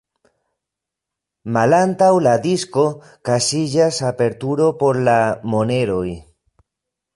Malantaŭ la disko kaŝiĝas aperturo por la moneroj.